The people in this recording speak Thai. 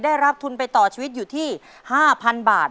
ได้รับทุนไปต่อชีวิตอยู่ที่๕๐๐๐บาท